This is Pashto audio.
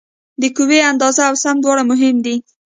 د قوې اندازه او سمت دواړه مهم دي.